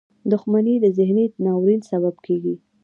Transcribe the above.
• دښمني د ذهني ناورین سبب کېږي.